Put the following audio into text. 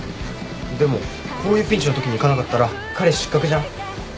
でもこういうピンチのときに行かなかったら彼氏失格じゃん。